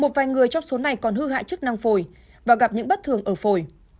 một vài người trong số này còn hư hại chức năng phổi và gặp những bất thường ở phổi